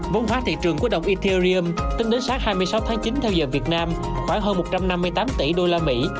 vốn hóa thị trường của đồng ethereum tính đến sát hai mươi sáu tháng chín theo giờ việt nam khoảng hơn một trăm năm mươi tám tỷ usd